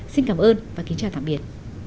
xin cảm ơn và kính chào tạm biệt